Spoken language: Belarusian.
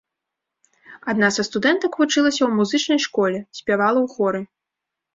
Адна са студэнтак вучылася ў музычнай школе, спявала ў хоры.